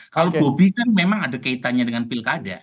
kalau bobi kan memang ada kaitannya dengan pilkada